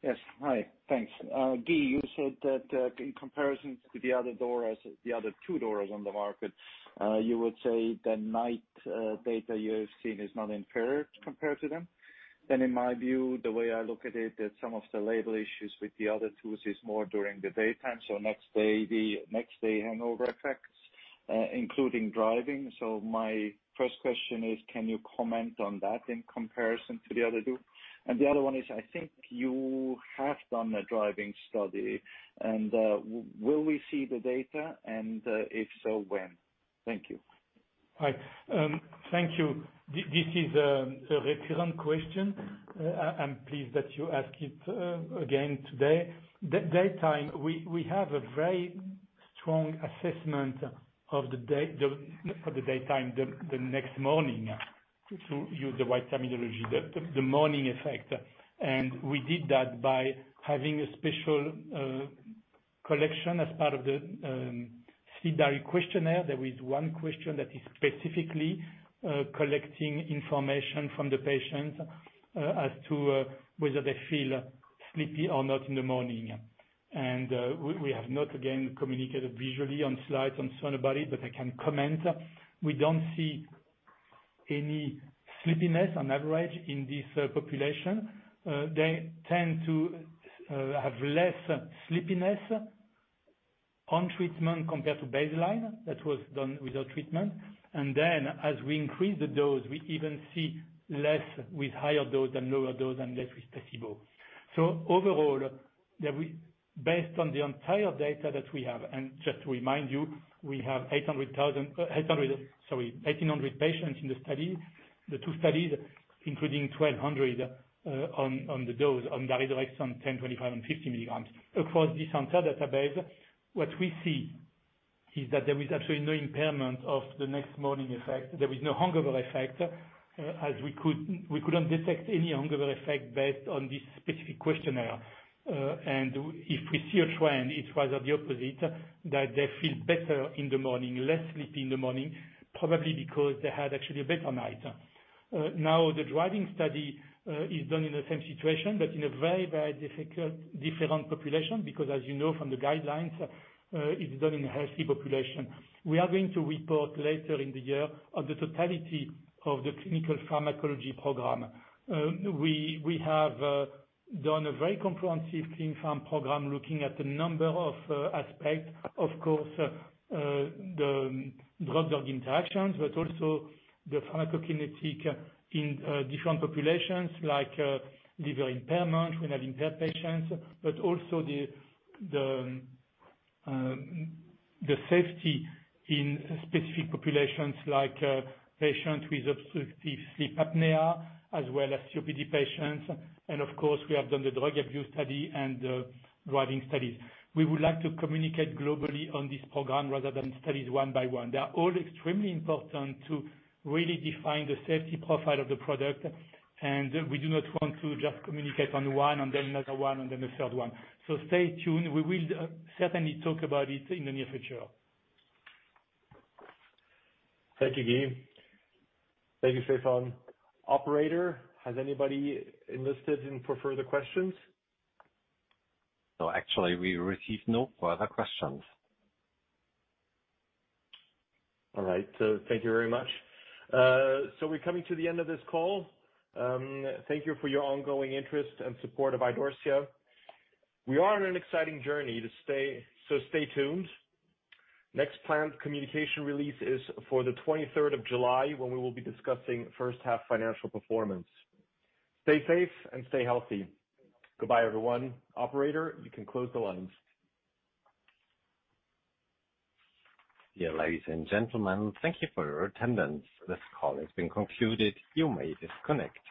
[SPEAKER 9] Yes. Hi. Thanks. Guy, you said that in comparison to the other two DORAs on the market, you would say the night data you have seen is not impaired compared to them. In my view, the way I look at it, that some of the label issues with the other two DORAs is more during the daytime. Next day, the next day hangover effects, including driving. My first question is, can you comment on that in comparison to the other two? The other one is, I think you have done a driving study. Will we see the data, and if so, when? Thank you.
[SPEAKER 2] Hi. Thank you. This is a recurrent question. I am pleased that you ask it again today. Daytime, we have a very strong assessment for the daytime the next morning, to use the right terminology, the morning effect. We did that by having a special collection as part of the SDQ questionnaire. There is one question that is specifically collecting information from the patient as to whether they feel sleepy or not in the morning. We have not, again, communicated visually on slides on Sunabared, but I can comment. We do not see any sleepiness on average in this population. They tend to have less sleepiness on treatment compared to baseline. That was done without treatment. As we increase the dose, we even see less with higher dose than lower dose and less with placebo. Overall, based on the entire data that we have, and just to remind you, we have 1,800 patients in the study. The two studies, including 1,200 on the dose on daridorexant 10, 25, and 50 milligrams. Across this entire database, what we see is that there is absolutely no impairment of the next morning effect. There is no hangover effect, as we couldn't detect any hangover effect based on this specific questionnaire. If we see a trend, it was of the opposite, that they feel better in the morning, less sleepy in the morning, probably because they had actually a better night. The driving study is done in the same situation, but in a very, very different population because as you know from the guidelines, it's done in a healthy population. We are going to report later in the year on the totality of the clinical pharmacology program. We have done a very comprehensive clinical program looking at a number of aspects. Of course, the drug-drug interactions, but also the pharmacokinetic in different populations like liver impairment, we have impaired patients, but also the safety in specific populations like patients with obstructive sleep apnea as well as COPD patients. Of course, we have done the drug abuse study and the driving studies. We would like to communicate globally on this program rather than studies one by one. They are all extremely important to really define the safety profile of the product, we do not want to just communicate on one and then another one, and then the third one. Stay tuned. We will certainly talk about it in the near future.
[SPEAKER 1] Thank you, Guy. Thank you, Stefan. Operator, has anybody enlisted in for further questions?
[SPEAKER 4] No, actually, we received no further questions.
[SPEAKER 1] All right. Thank you very much. We're coming to the end of this call. Thank you for your ongoing interest and support of Idorsia. We are on an exciting journey, so stay tuned. Next planned communication release is for the July 23rd, when we will be discussing first half financial performance. Stay safe and stay healthy. Goodbye, everyone. Operator, you can close the lines.
[SPEAKER 4] Yeah, ladies and gentlemen, thank you for your attendance. This call has been concluded. You may disconnect.